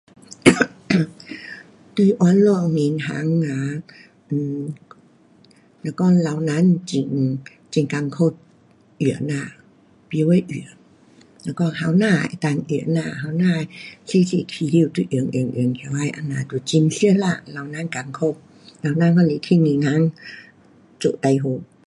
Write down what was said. um 对网路银行啊，um 若讲老人很，很困苦用啊。甭晓用，若讲年轻的能够用呐。小小开始就用用用起来这样就很熟啦，老人困苦。老人还是去银行做最好。